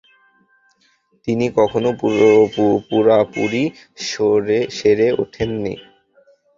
তিনি কখনও পুরাপুরি সেরে উঠেন নি।